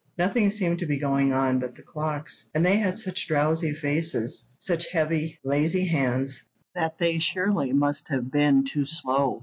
Nothing seemed to be going on but the clocks, and they had such drowsy faces, such heavy, lazy hands, that they surely must have been too slow.